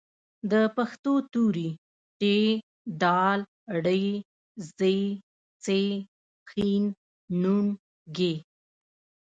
د پښتو توري: ټ، ډ، ړ، ځ، څ، ښ، ڼ، ږ